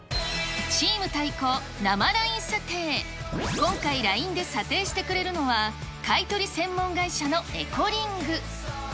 今回ＬＩＮＥで査定してくれるのは、買い取り専門会社のエコリング。